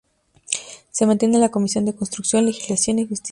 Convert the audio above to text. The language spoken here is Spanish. Se mantiene en la Comisión de Constitución, Legislación y Justicia.